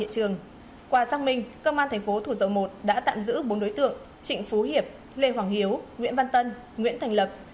công an tp thủ dầu một đã tạm giữ bốn đối tượng trịnh phú hiệp lê hoàng hiếu nguyễn văn tân nguyễn thành lập